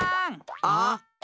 あっ。